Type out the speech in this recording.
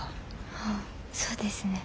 ああそうですね。